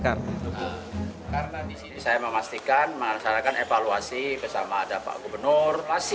karena di sini saya memastikan mengerjakan evaluasi bersama ada pak gubernur